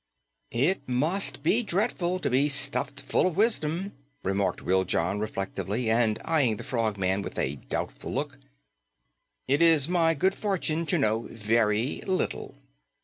"It must be dreadful to be stuffed full of wisdom," remarked Wiljon reflectively and eyeing the Frogman with a doubtful look. "It is my good fortune to know very little."